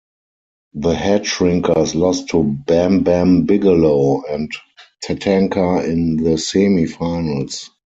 The Headshrinkers lost to Bam Bam Bigelow and Tatanka in the Semi Finals.